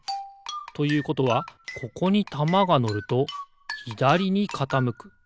ということはここにたまがのるとひだりにかたむく。